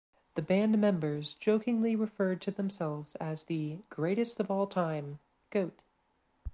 The band members jokingly referred to themselves as the "greatest of all time" (goat).